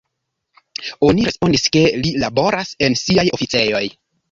Oni respondis, ke li laboras en siaj oficejoj.